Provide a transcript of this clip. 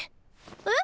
えっ？